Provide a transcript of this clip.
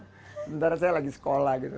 sementara saya lagi sekolah gitu